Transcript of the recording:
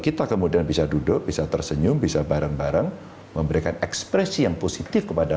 kita kemudian bisa duduk bisa tersenyum bisa bareng bareng memberikan ekspresi yang positif kepada